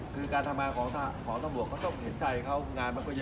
คือการทำงานของตำรวจก็ต้องเห็นใจเขางานมันก็เยอะ